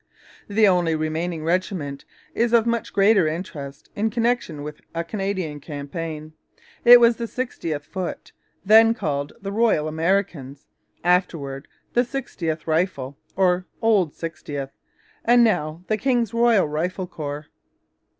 The only remaining regiment is of much greater interest in connection with a Canadian campaign. It was the 60th Foot, then called the Royal Americans, afterwards the Sixtieth Rifles or 'Old Sixtieth,' and now the King's Royal Rifle Corps.